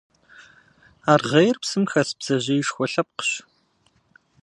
Аргъейр псым хэс бдзэжьеишхуэ лъэпкъщ.